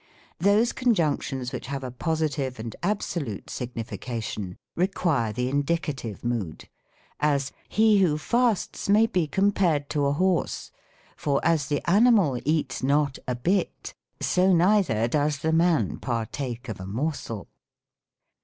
" The Liidics ! I ■ Those conjunctions which have a positive and abso. lute signification, require the indicative mood: as, "Hi who fasts may be compared to a horse : for as the ani mal eats not a bit, so neither does the man partake of a morsel."